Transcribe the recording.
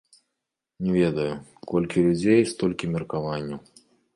Не ведаю, колькі людзей, столькі меркаванняў.